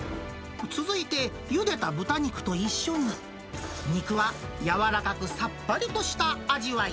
続いて、ゆでた豚肉と一緒に、肉はやわらかくさっぱりとした味わい。